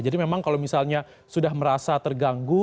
jadi memang kalau misalnya sudah merasa terganggu